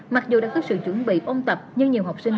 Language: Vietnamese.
mặc dù đã có sự chuẩn bị ôn tập nhưng nhiều học sinh